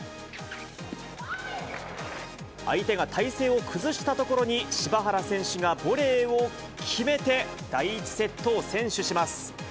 相手が体勢を崩したところに、柴原選手がボレーを決めて、第１セットを先取します。